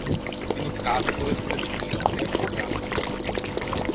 তিনি কাজ গড়ে তুলেছেন শহরে ও গ্রামে।